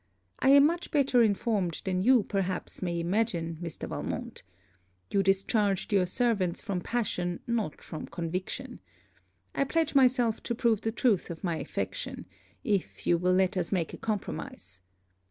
I am much better informed than you perhaps may imagine Mr. Valmont. You discharged your servants from passion not from conviction. I pledge myself to prove the truth of my affection, if you will let us make a compromise.